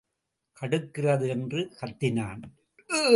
கடுக்கிறது என்று கத்தினான்.